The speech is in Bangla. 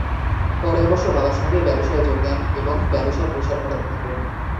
পরে অবশ্য বাবার সঙ্গেই ব্যবসায় যোগ দেন এবং ব্যবসার প্রসার ঘটাতে থাকেন।